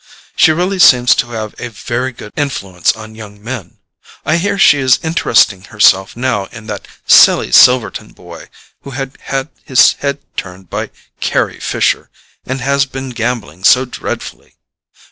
She really seems to have a very good influence on young men. I hear she is interesting herself now in that silly Silverton boy, who has had his head turned by Carry Fisher, and has been gambling so dreadfully.